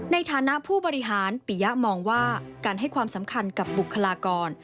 ในฐานะผู้บริหารปียะมองว่าการให้ความสำคัญกับบุคลากร